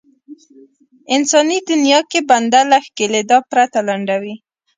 انساني دنيا کې بنده له ښکېلېدا پرته لنډوي.